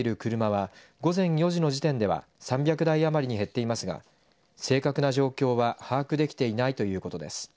動けなくなっている車は午前４時の時点では３００台余りに減っていますが正確な状況は把握できていないということです。